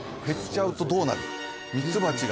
減っちゃうとどうなるか？